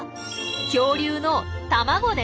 恐竜の卵です！